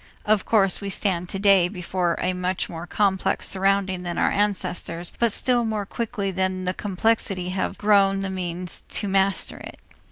Of course, we stand today before a much more complex surrounding than our ancestors but still more quickly than the complexity have grown the means to master it.